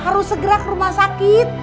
harus segera ke rumah sakit